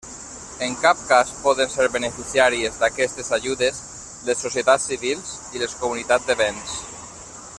En cap cas poden ser beneficiàries d'aquestes ajudes les societats civils i les comunitats de béns.